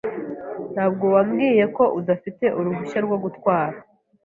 Ntabwo wambwiye ko udafite uruhushya rwo gutwara.